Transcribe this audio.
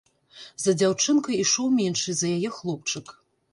За дзяўчынкай ішоў меншы за яе хлопчык.